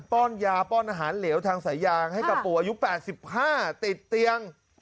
้อนยาป้อนอาหารเหลวทางสายยางให้กับปู่อายุ๘๕ติดเตียง